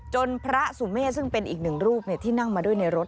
จนพระสุเมฆที่เป็นอีก๑รูปที่นั่งมาด้วยในรถ